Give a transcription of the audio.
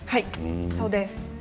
そうです。